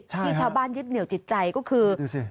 ที่ชาวบ้านยึดเหนี่ยวจิตใจก็คือ